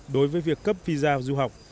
đối với việc cấp visa du học